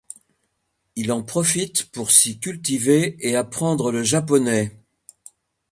Il en profite pour s'y cultiver et apprendre le japonais.